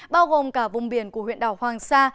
bao gồm cả vùng biển của huyện đảo hoàng sa